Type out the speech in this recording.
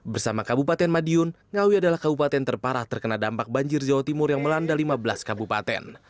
bersama kabupaten madiun ngawi adalah kabupaten terparah terkena dampak banjir jawa timur yang melanda lima belas kabupaten